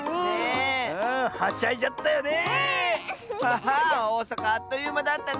ハハーおおさかあっというまだったね！